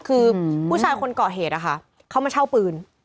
คือผู้ชายคนเกาะเหตุนะคะเขามาเช่าปืน